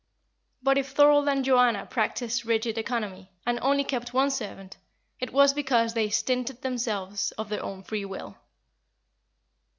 But if Thorold and Joanna practised rigid economy, and only kept one servant, it was because they stinted themselves of their own free will.